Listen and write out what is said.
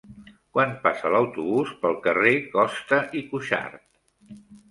Quan passa l'autobús pel carrer Costa i Cuxart?